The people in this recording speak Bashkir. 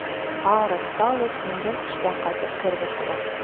Арып-талып еңгәм эштән ҡайтып керҙе шулай.